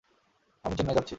আমি চেন্নাই যাচ্ছি।